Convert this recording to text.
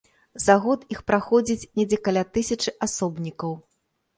За год іх праходзіць недзе каля тысячы асобнікаў.